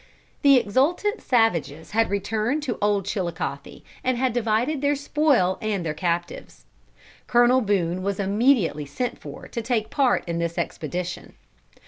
The exultant savages had returned to Old Chilicothe, and had divided their spoil and their captives. Colonel Boone was immediately sent for to take part in this expedition.